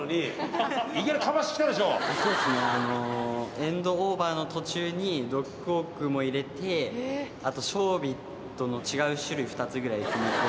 エンドオーバーの途中にドッグウオークも入れてあとショービットの違う種類２つぐらい。